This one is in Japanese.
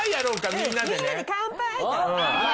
みんなで乾杯！